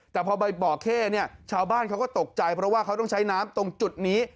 แต่พอใบบ่อเข้เนี่ยชาวบ้านเขาก็ตกใจเพราะว่าเขาต้องใช้น้ำตรงจุดนี้